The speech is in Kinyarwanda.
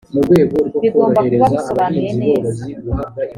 bigomba kuba bisobanuye neza